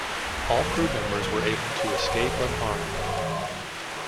All crewmembers were able to escape unharmed.